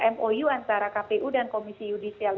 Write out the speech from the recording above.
mou antara kpu dan komisi yudisial